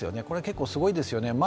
これは結構すごいですよね。